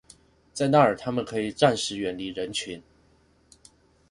在那兒他們可以暫時遠離人群